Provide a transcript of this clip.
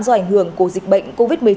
do ảnh hưởng của dịch bệnh covid một mươi chín